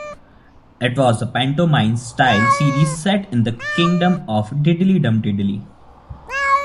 It was a pantomime-style series set in the kingdom of Diddley-Dum-Diddley.